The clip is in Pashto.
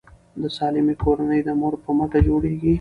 د سالمې کورنۍ د مور په مټه جوړیږي.